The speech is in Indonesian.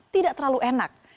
tidak terlalu enak